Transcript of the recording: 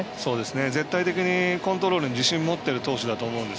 絶対的にコントロールに自信を持っている投手だと思うんです。